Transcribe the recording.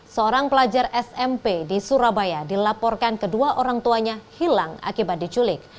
seorang pelajar smp di surabaya dilaporkan kedua orang tuanya hilang akibat diculik